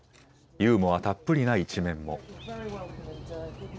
ユーモアたっぷりな一面も。